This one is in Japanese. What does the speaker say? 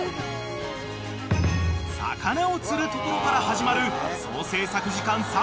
［魚を釣るところから始まる］